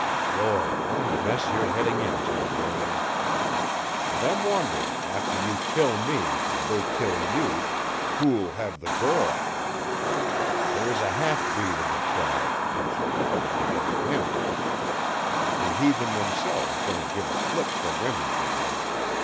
Lord, what a mess you're heading into, Raine! And I'm wondering, after you kill me, and they kill you, WHO'LL HAVE THE GIRL? There's a half breed in the tribe an' she'll probably go to him. The heathen themselves don't give a flip for women, you know.